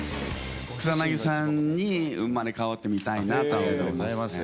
草なぎさんに生まれ変わってありがとうございます。